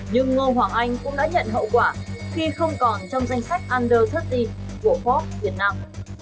nhưng ngô hoàng anh cũng đã nhận hậu quả khi không còn trong danh sách under ba mươi của fox việt nam